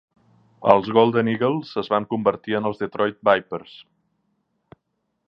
Els Golden Eagles es van convertir en els Detroit Vipers.